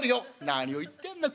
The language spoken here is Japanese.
「何を言ってやんだ。